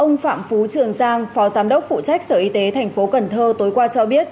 ông phạm phú trường giang phó giám đốc phụ trách sở y tế thành phố cần thơ tối qua cho biết